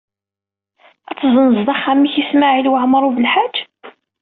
Ad tezzenzeḍ axxam-ik i Smawil Waɛmaṛ U Belḥaǧ?